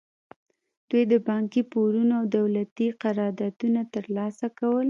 دوی د بانکي پورونه او دولتي قراردادونه ترلاسه کول.